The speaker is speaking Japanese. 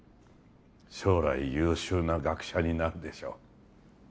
将来優秀な学者になるでしょう